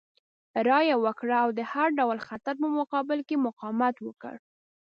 رایه یې ورکړه او د هر ډول خطر په مقابل کې یې مقاومت وکړ.